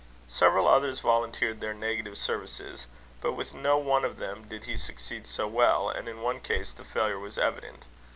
Several others volunteered their negative services; but with no one of them did he succeed so well; and in one case the failure was evident.